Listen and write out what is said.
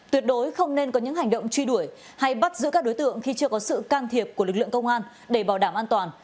tuyệt đối không nên có những hành động truy đuổi hay bắt giữ các đối tượng khi chưa có sự can thiệp của lực lượng công an để bảo đảm an toàn